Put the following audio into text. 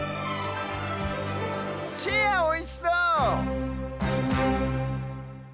チェアおいしそう！